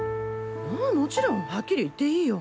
ああ、もちろんはっきり言っていいよ。